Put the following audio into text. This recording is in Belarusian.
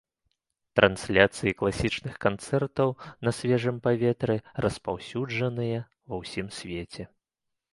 Трансляцыі класічных канцэртаў на свежым паветры распаўсюджаныя ва ўсім свеце.